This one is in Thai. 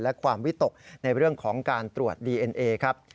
และความวิตกในเรื่องของการตรวจดีเอ็นเอครับ